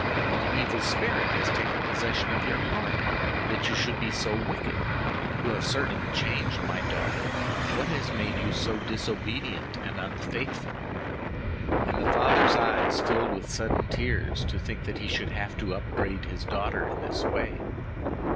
What evil spirit has taken possession of your heart that you should be so wicked? You have certainly changed, my daughter! What has made you so disobedient and unfaithful?" And the father's eyes filled with sudden tears to think that he should have to upbraid his daughter in this way.